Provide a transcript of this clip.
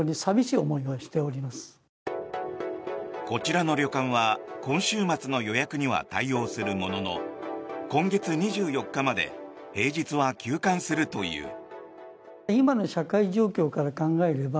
こちらの旅館は今週末の予約には対応するものの今月２４日まで平日は休館するという。